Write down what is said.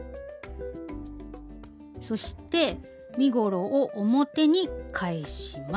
そして身ごろを表に返します。